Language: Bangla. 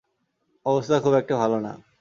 অবস্থা খুব একটা ভালো না।